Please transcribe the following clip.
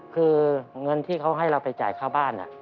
คือเงินที่เขาให้เราไปจ่ายค่าบ้าน